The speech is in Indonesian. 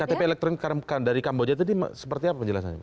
ktp elektronik dari kamboja tadi seperti apa penjelasannya